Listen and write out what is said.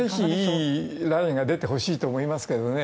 ぜひいいものが出てほしいと思いますけどね。